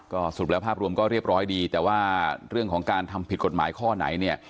ก็สรุปแล้วภาพรวมก็เรียบร้อยดีแต่ว่าเรื่องของการทำผิดกฎหมายข้อไหนเนี่ย